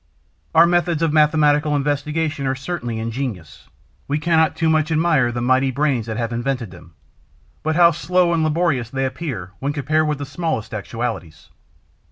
Our methods of mathematical investigation are certainly ingenious; we cannot too much admire the mighty brains that have invented them; but how slow and laborious they appear when compared with the smallest actualities!